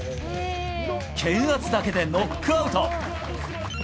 拳圧だけでノックアウト。